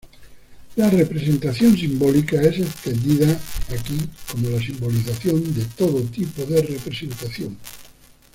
La representación simbólica es entendida aquí como la simbolización de todo tipo de representación.